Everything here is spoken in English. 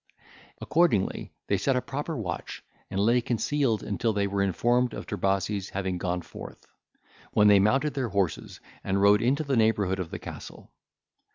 Accordingly they set a proper watch, and lay concealed until they were informed of Trebasi's having gone forth; when they mounted their horses, and rode into the neighbourhood of the castle.